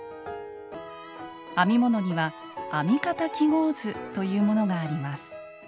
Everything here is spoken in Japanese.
編み物には「編み方記号図」というものがあります。